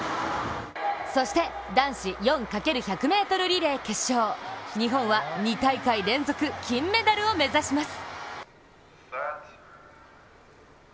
そして男子４×１００ｍリレー決勝、日本は２大会連続金メダルを目指します。